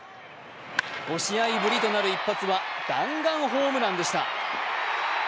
５試合ぶりとなる一発は弾丸ホームランでした。